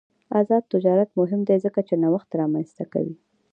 آزاد تجارت مهم دی ځکه چې نوښت رامنځته کوي.